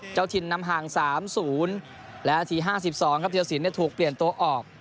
เจ้าถิ่นนำห่าง๓๐และนาที๕๒ครับธิรสินถูกเปลี่ยนตัวออก